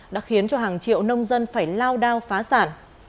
đã khiến cho hàng triệu nông dân phải lao đao phá sản